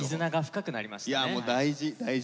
いやもう大事。